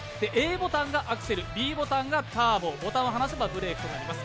Ａボタンがアクセル、Ｂボタンがターボ、ボタンを話せばブレーキになります。